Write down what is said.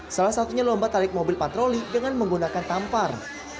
salah satunya lomba tarik mobil patroli dengan menggunakan tampar